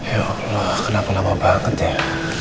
ya allah kenapa lama banget ya